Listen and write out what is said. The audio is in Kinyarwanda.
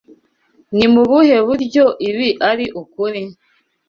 Ni mu buhe buryo ibi ari ukuri?